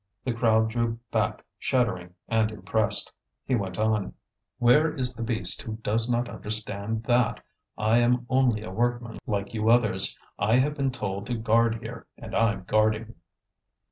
The crowd drew back shuddering and impressed. He went on: "Where is the beast who does not understand that? I am only a workman like you others. I have been told to guard here, and I'm guarding."